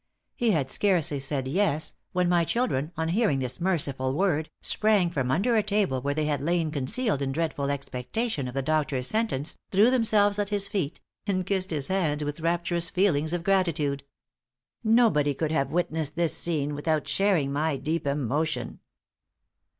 He had scarcely said 'Yes,' when my children, on hearing this merciful word, sprang from under a table where they had lain concealed in dreadful expectation of the doctor's sentence, threw themselves at his feet, and kissed his hands with rapturous feelings of gratitude. Nobody could have witnessed the scene without sharing my deep emotion."